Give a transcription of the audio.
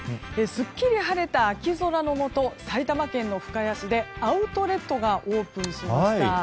すっきり晴れた秋空の下埼玉県の深谷市でアウトレットがオープンしました。